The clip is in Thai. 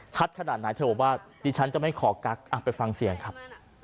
ขนาดไหนเธอบอกว่าดิฉันจะไม่ขอกั๊กไปฟังเสียงครับ